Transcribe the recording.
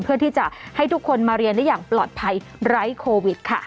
เพื่อที่จะให้ทุกคนมาเรียนได้อย่างปลอดภัยไร้โควิดค่ะ